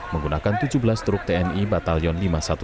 menggunakan tujuh belas truk tni batalion lima ratus sebelas